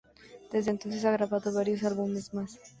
Desde entonces ha grabado varios álbumes más.